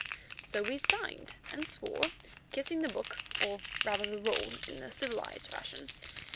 So we signed and swore, kissing the book, or rather the roll, in the civilized fashion.